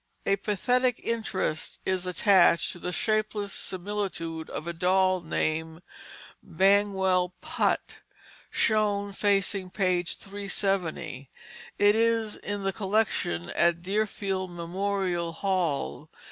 A pathetic interest is attached to the shapeless similitude of a doll named Bangwell Putt, shown facing page 370. It is in the collection at Deerfield Memorial Hall.